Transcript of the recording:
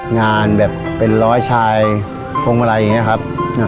งานแบบเป็นร้อยชายพวงมาลัยอย่างนี้ครับ